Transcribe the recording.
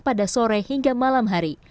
pada sore hingga malam hari